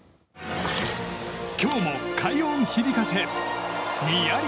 今日も快音響かせ、にやり。